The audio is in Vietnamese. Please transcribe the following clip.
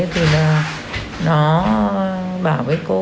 thì nó bảo với cô